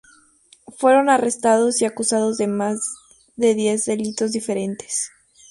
Fueron arrestados y acusados de más de diez delitos diferentes.